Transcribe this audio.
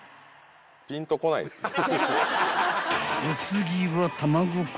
［お次は］